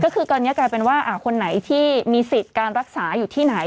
ก็คือตอนนี้กลายเป็นว่าคนไหนที่มีสิทธิ์การรักษาอยู่ที่ไหน